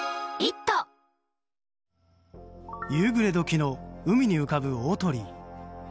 夕暮れ時の海に浮かぶ大鳥居。